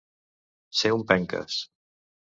Ser un penques.